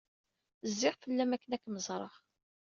Zziɣ fell-am akken ad kem-ẓreɣ.